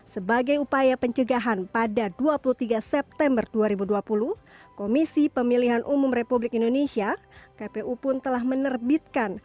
sebagai upaya pencegahan pada dua puluh tiga september dua ribu dua puluh komisi pemilihan umum republik indonesia kpu pun telah menerbitkan